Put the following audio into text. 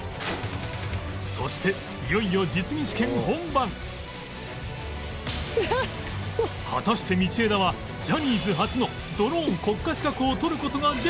そしていよいよ果たして道枝はジャニーズ初のドローン国家資格を取る事ができたのか？